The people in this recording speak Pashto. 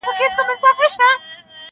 چي در معلوم شي د درمن زړګي حالونه-